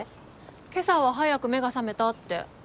今朝は早く目が覚めたって。